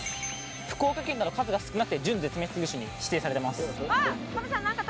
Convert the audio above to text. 福岡県では数が少なくて準絶滅危惧種に指定されてます。